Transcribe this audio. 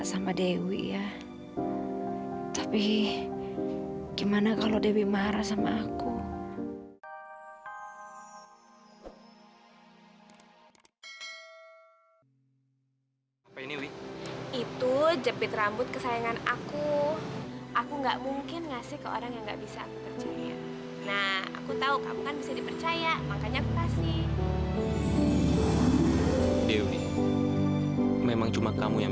sampai jumpa di video selanjutnya